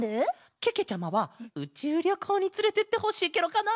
けけちゃまはうちゅうりょこうにつれてってほしいケロかな！